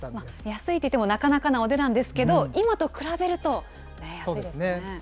安いといってもなかなかなお値段ですけど、今と比べると安いそうですね。